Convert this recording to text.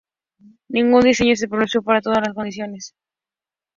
Ningún diseño es perfecto para todas las condiciones.